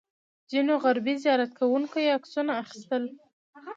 ځینو غربي زیارت کوونکو یې عکسونه اخیستل.